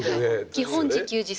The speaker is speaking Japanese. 基本自給自足。